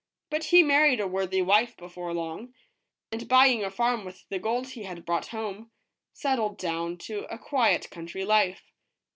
But he married a worthy wife before long, and buying a farm with the gold he had brought home, settled down to a quiet coun try life.